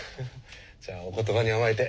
じゃあお言葉に甘えて。